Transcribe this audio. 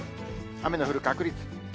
雨の降る確率。